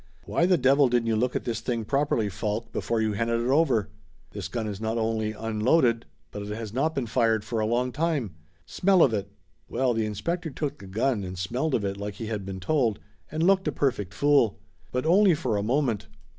"Why the devil didn't you look at this thing properly, Faulk, before you handed it over? This gun is not only un 316 Laughter Limited loaded but it has not been fired for a long time. Smell of it!" Well, the inspector took the gun and smelled of it like he had been told, and looked a perfect fool. But only for a moment.